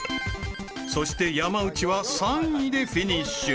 ［そして山内は３位でフィニッシュ］